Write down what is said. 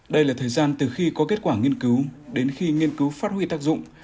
đây là thời gian từ khi có kết quả nghiên cứu đến khi nghiên cứu phát huy tác dụng